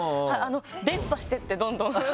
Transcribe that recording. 伝播していってどんどん。